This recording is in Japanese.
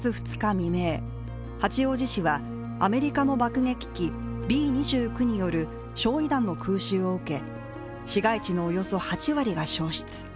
未明八王子市はアメリカの爆撃機Ｂ−２９による焼い弾の空襲を受け市街地のおよそ８割が焼失。